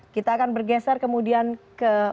kita akan bergeser kemudian ke pulau jawa